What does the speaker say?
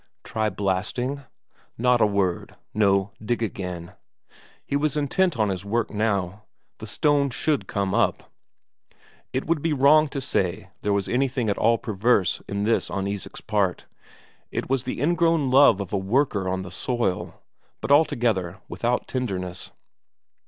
Try blasting? Not a word! No, dig again. He was intent on his work now. The stone should come up! It would be wrong to say there was anything at all perverse in this on Isak's part; it was the ingrown love of a worker on the soil, but altogether without tenderness.